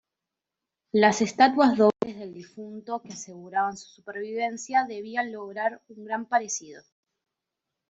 Las estatuas dobles del difunto, que aseguraban su supervivencia, debían lograr un gran parecido.